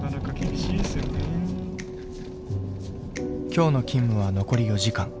今日の勤務は残り４時間。